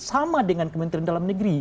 sama dengan kementerian dalam negeri